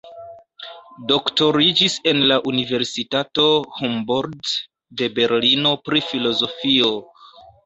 Doktoriĝis en la Universitato Humboldt de Berlino pri filozofio.